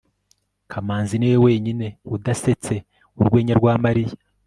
kamanzi niwe wenyine udasetse urwenya rwa mariya